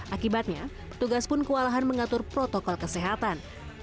akibatnya petugas pun kewalahan mengatur protokol kesehatan